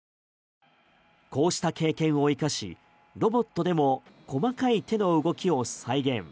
こうした経験を生かしロボットでも細かい手の動きを再現。